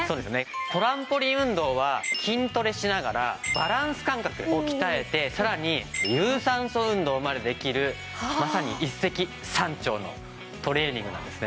トランポリン運動は筋トレしながらバランス感覚を鍛えてさらに有酸素運動までできるまさに一石三鳥のトレーニングなんですね。